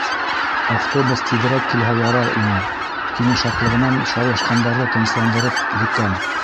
Автобус тиҙерәк килһә ярар ине. — тине шатлығынан шаулашҡандарҙы тынысландырып декан.